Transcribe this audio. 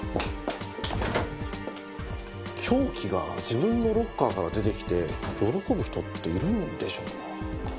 凶器が自分のロッカーから出てきて喜ぶ人っているんでしょうか？